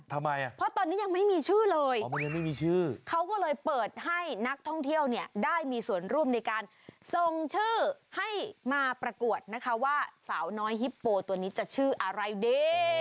ทำไมอ่ะเพราะตอนนี้ยังไม่มีชื่อเลยอ๋อมันยังไม่มีชื่อเขาก็เลยเปิดให้นักท่องเที่ยวเนี่ยได้มีส่วนร่วมในการส่งชื่อให้มาประกวดนะคะว่าสาวน้อยฮิปโปตัวนี้จะชื่ออะไรดี